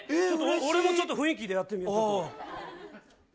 俺も、ちょっと雰囲気でやってみよう。